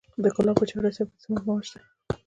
د کابل په چهار اسیاب کې د سمنټو مواد شته.